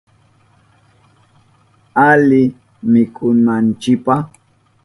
Ali mikunanchipa.